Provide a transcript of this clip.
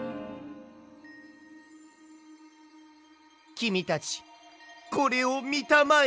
きみたちこれをみたまえ。